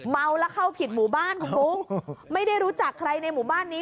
เมาแล้วเข้าผิดหมู่บ้านเขาไม่ได้รู้จักใครในหมู่บ้านนี้